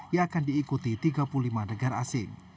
yang akan diikuti tiga puluh lima negara asing